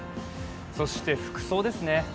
そして服装ですね。